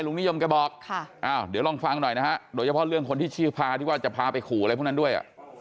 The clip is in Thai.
นิยมแกบอกเดี๋ยวลองฟังหน่อยนะฮะโดยเฉพาะเรื่องคนที่ชื่อพาที่ว่าจะพาไปขู่อะไรพวกนั้นด้วย